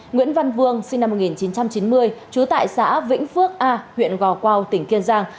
nguyễn văn vương sinh năm một nghìn chín trăm chín mươi trú tại xã vĩnh phước a huyện gò quao tỉnh kiên giang